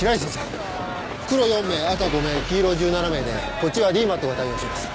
黒４名赤５名黄色１７名でこっちはＤＭＡＴが対応します。